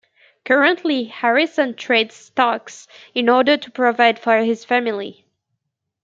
Currently, Harrison trades stocks in order to provide for his family.